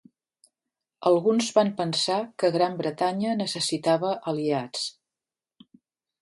Alguns van pensar que Gran Bretanya necessitava aliats.